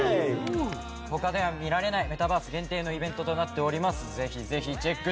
他では見られないメタバース限定のイベントとなっております。